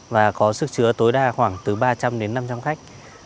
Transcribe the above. và có sức chứa tối đa khoảng từ ba trăm linh đến năm trăm linh khách